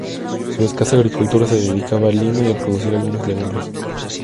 Su escasa agricultura se dedicaba al lino y a producir algunas legumbres.